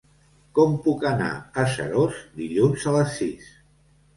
Com puc anar a Seròs dilluns a les sis?